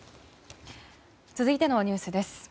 続いてのニュースです。